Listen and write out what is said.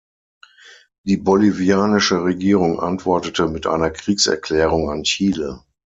Die bolivianische Regierung antwortete mit einer Kriegserklärung an Chile.